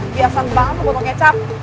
biasa banget lo potong kecap